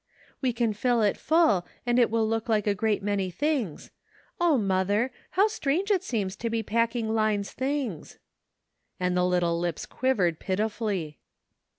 " We can fill it full, and it will look like a great many things. O, mother! how strange it seems to be packing Line's things," and the little lips quivered pitifully.